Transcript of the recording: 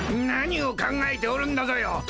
何を考えておるんだぞよ。